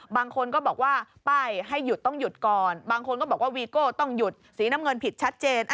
บางคนก็บอกว่าป้ายให้หยุดต้องหยุดก่อนบางคนก็บอกว่าวีโก้ต้องหยุดสีน้ำเงินผิดชัดเจน